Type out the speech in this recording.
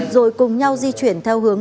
rồi cùng nhau di chuyển theo hướng